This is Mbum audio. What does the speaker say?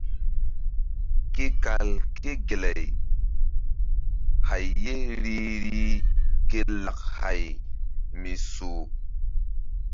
Ke kal ke gay hay ye ri rih ke lak hay mi soh.